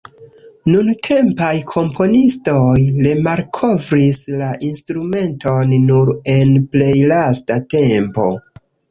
Nuntempaj komponistoj remalkovris la instrumenton nur en plej lasta tempo.